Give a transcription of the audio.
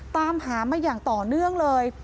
ตามหามาอย่างต่อเนื่องเลย